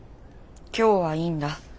今日はいいんだ。